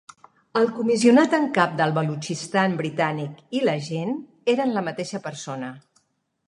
El comissionat en cap del Balutxistan Britànic i l'agent eren la mateixa persona.